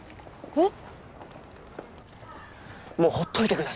えっ？